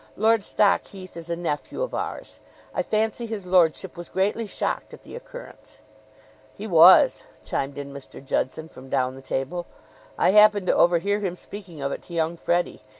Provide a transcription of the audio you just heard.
Lord Stockheath is a nephew of ours. I fancy his lordship was greatly shocked at the occurrence." "He was," chimed in Mr. Judson from down the table. "I happened to overhear him speaking of it to young Freddie.